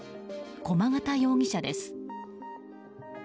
駒形容疑者です。